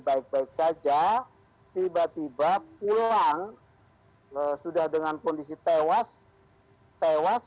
baik baik saja tiba tiba pulang sudah dengan kondisi tewas tewas